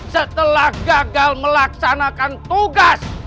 setelah gagal melaksanakan tugas